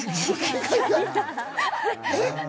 えっ？